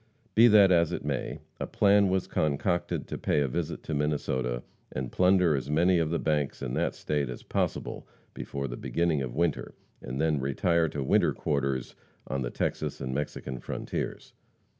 Be that as it may, a plan was concocted to pay a visit to Minnesota, and plunder as many of the banks in that state as possible before the beginning of winter, and then retire to winter quarters on the Texas and Mexican frontiers.